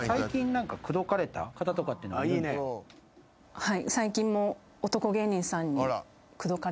はい。